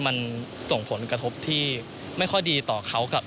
มันส่งผลกระทบที่ไม่ค่อยดีต่อเขากับ